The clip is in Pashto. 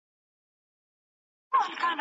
ایا واړه پلورونکي وچه الوچه پروسس کوي؟